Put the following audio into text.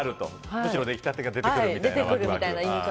むしろ出来たてが出てくるみたいな。